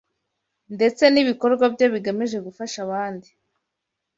ndetse n’ibikorwa bye bigamije gufasha abandi